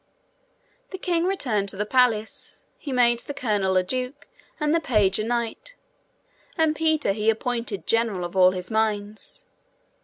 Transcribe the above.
The king returned to the palace. He made the colonel a duke, and the page a knight, and Peter he appointed general of all his mines.